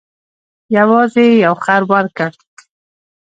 یوازې یو خر ورکړ.